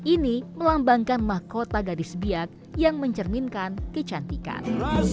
ini melambangkan mahkota gadis biak yang mencerminkan kecantikan